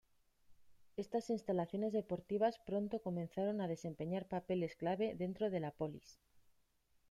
Estas instalaciones deportivas pronto comenzaron a desempeñar papeles clave dentro de la "polis".